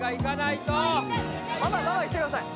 ママママいってください